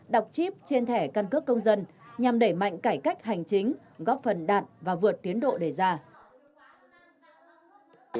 đọc chip trên thẻ căn cước công dân nhằm đẩy mạnh cải cách hành chính góp phần đạt và vượt tiến độ đề ra